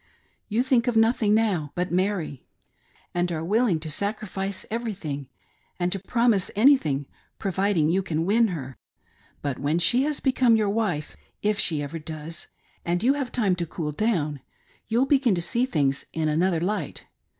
You think of nothing now but Mary, and are willing to sacrifice everything, and to promise anything, providing you^ can win her. But when she haa become your wife, if she ever does, and you have time to cool down, you'll begin to see things in another' light.